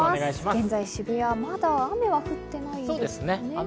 現在、渋谷、まだ雨は降ってないようですね。